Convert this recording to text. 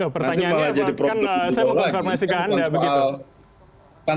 pertanyaannya saya mau konfirmasikan